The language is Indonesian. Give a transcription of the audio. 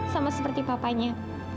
sama seperti papanya